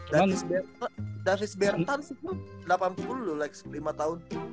davis bertans itu delapan puluh lho like lima tahun